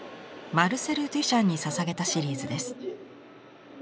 マルセル・デュシャンに捧げたシリーズです。